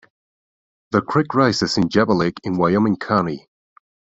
The creek rises in Java Lake in Wyoming County.